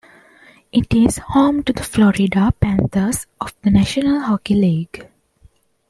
It is home to the Florida Panthers of the National Hockey League.